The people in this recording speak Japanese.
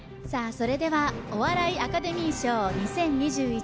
それではお笑いアカデミー賞２０２１